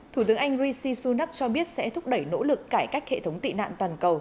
thủ tướng anh rishi sunak cho biết sẽ thúc đẩy nỗ lực cải cách hệ thống tị nạn toàn cầu